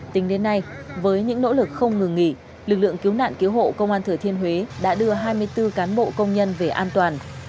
tính đến nay với những nỗ lực không ngừng nghỉ lực lượng cứu nạn cứu hộ công an thừa thiên huế đã đưa hai mươi bốn cán bộ công nhân về an toàn